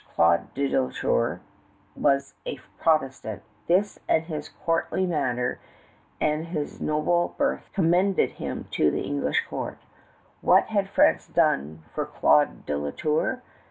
Claude de La Tour was a Protestant. This and his courtly manner and his noble birth commended him to the English court. What had France done for Claude de La Tour?